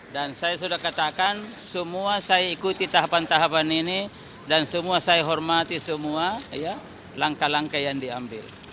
dan saya sudah katakan semua saya ikuti tahapan tahapan ini dan semua saya hormati semua langkah langkah yang diambil